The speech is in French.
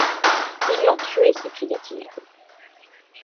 Ils l’ont tué s’écria-t-il